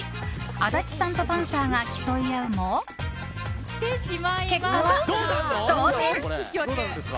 足立さんとパンサーが競い合うも結果は同点。